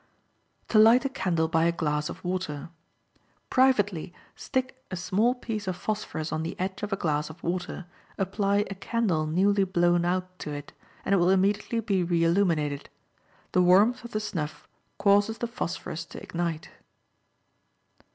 To Light a Candle by a Glass of Water.—Privately stick a small piece of phosphorous on the edge of a glass of water, apply a candle newly blown out to it, and it will immediately be re illuminated. The warmth of the snuff causes the phosphorous to ignite.